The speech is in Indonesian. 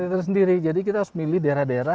teritori sendiri jadi kita harus milih daerah daerah